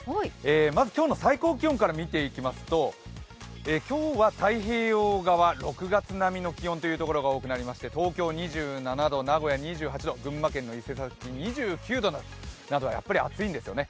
まず今日の最高気温から見ていきますと今日は太平洋側、６月並みの気温というところが多くなりまして東京２７度、名古屋２８度、群馬県の伊勢崎２９度と、やはり暑いんですよね。